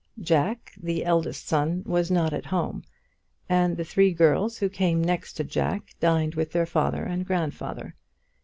Jack, the eldest son, was not at home, and the three girls who came next to Jack dined with their father and grandfather.